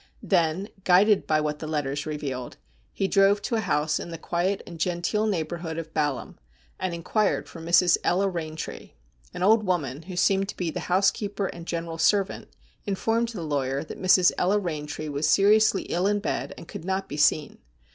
Then, guided by what the letters revealed, he drove to a house in the quiet and genteel neighbourhood of Balham, and in quired for Mrs. Ella Eaintree. An old woman, who seemed to be housekeeper and general servant, informed the lawyer that Mrs. Ella Eaintree was seriously ill in bed, and could not be seen.